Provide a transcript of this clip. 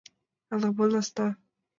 — Ала-мо наста...